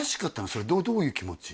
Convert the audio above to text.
それどういう気持ち？